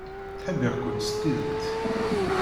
Ttḥibbiɣ-kent s tidet.